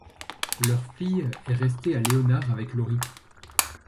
Leur fille est restée à Leonard avec Lori.